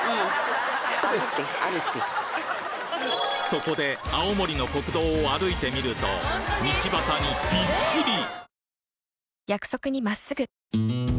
そこで青森の国道を歩いてみると道端にびっしり！